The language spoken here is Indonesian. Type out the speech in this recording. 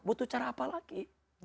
butuh cara apa lagi